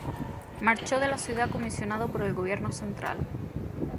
Marchó de la ciudad comisionado por el gobierno central.